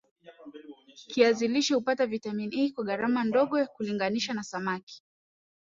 kiazi lishe hutupa vitamini A kwa gharama ndogo kulinganisha samak